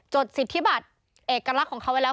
จดสิทธิบัตรเอกลักษณ์ของเขาไว้แล้ว